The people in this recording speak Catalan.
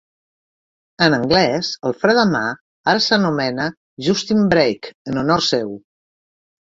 En anglès, el fre de mà ara s'anomena "Justin Brake" en honor seu.